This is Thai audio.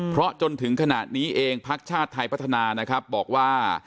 เพราะจนถึงขนาดนี้เองภาคชาติไทยพัฒนาบอกว่า